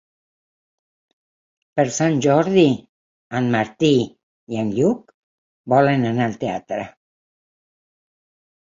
Per Sant Jordi en Martí i en Lluc volen anar al teatre.